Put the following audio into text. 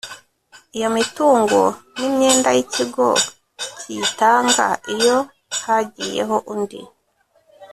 iyo mitungo n imyenda y ikigo kiyitanga iyo hagiyeho undi